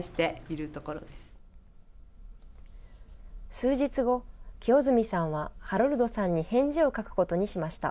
数日後、清積さんはハロルドさんに返事を書くことにしました。